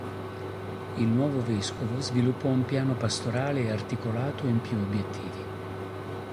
Il nuovo vescovo sviluppò un piano pastorale articolato in più obiettivi.